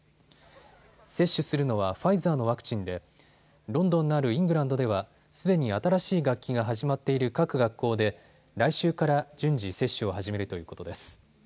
接種するのはファイザーのワクチンでロンドンのあるイングランドではすでに新しい学期が始まっている各学校で来週から順次、接種を始めるということです。